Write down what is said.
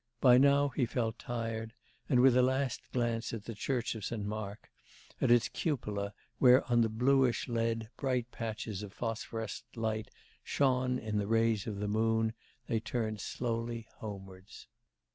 By now he felt tired, and, with a last glance at the church of St. Mark, at its cupola, where on the bluish lead bright patches of phosphorescent light shone in the rays of the moon, they turned slowly homewards.